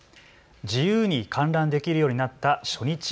自由に観覧できるようになった初日。